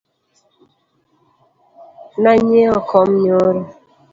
Na nyiewo kom nyoro